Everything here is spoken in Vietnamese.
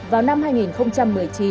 vào năm hai nghìn một mươi chín